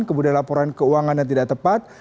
kemudian laporan keuangan yang tidak tepat